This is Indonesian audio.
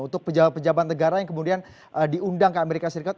untuk pejabat pejabat negara yang kemudian diundang ke amerika serikat